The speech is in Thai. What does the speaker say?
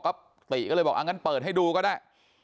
ติ๊ก็เลยบอกอันนั้นเปิดให้ดูก็ได้